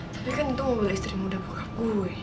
tapi kan itu mobil istri muda bokap gue